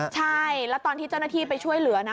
ใช่แล้วตอนที่เจ้าหน้าที่ไปช่วยเหลือนะ